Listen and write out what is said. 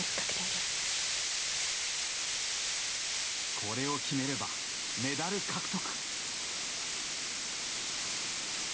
これを決めればメダル獲得。